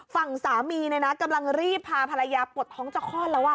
ฝั่งสามีเนี่ยนะกำลังรีบพาภรรยาปวดท้องจะคลอดแล้ว